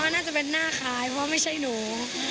น่าจะเป็นหน้าคล้ายเพราะไม่ใช่หนู